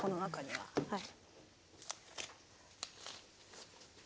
はい。